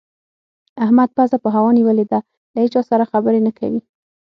احمد پزه په هوا نيول ده؛ له هيچا سره خبرې نه کوي.